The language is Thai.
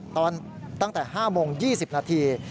ตั้งแต่๕โมง๒๐นาที